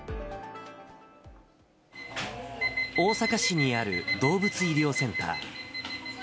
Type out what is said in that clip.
大阪市にある動物医療センター。